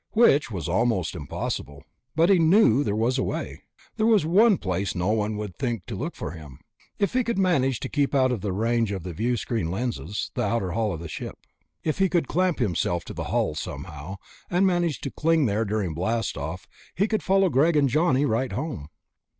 Which was almost impossible. But he knew there was a way. There was one place no one would think to look for him, if he could manage to keep out of range of the viewscreen lenses ... the outer hull of the ship. If he could clamp himself to the hull, somehow, and manage to cling there during blastoff, he could follow Greg and Johnny right home.